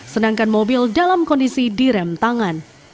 sedangkan mobil dalam kondisi direm tangan